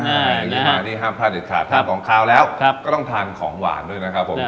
ใช่ลูกค้านี่ห้ามพลาดเด็ดขาดทานของขาวแล้วก็ต้องทานของหวานด้วยนะครับผม